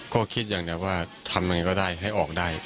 ก็คิดอย่างนี้ว่าทำอย่างนี้ก็ได้ให้ออกได้